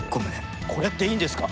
これっていいんですか？